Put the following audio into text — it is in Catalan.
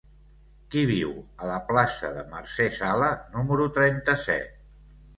Qui viu a la plaça de Mercè Sala número trenta-set?